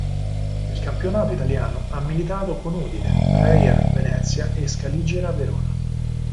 Nel Campionato Italiano ha militato con Udine, Reyer Venezia e Scaligera Verona.